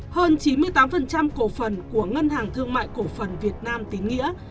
hơn chín mươi tám cổ phần của ngân hàng thương mại cổ phần việt nam tín nghĩa